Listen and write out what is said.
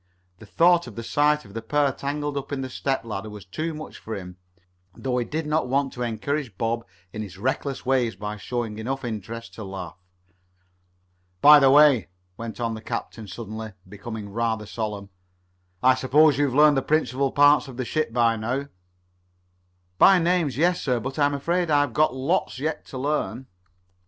The thought of the sight of the pair tangled up in the step ladder was too much for him, though he did not want to encourage Bob in his reckless ways by showing enough interest to laugh. "By the way," went on the captain suddenly, becoming rather solemn, "I s'pose you've learned the principal parts of the ship by now?" "By names, yes, sir. But I'm afraid I've got lots yet to learn."